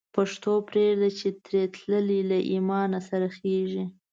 پښتو پریږده چی تری تللی، له ایمان سره خرڅیږی